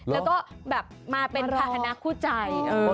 แล้วก็แบบมาเป็นภาษณะคู่ใจ